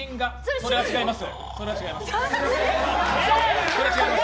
それは違います。